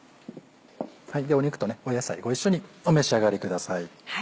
肉と野菜ご一緒にお召し上がりください。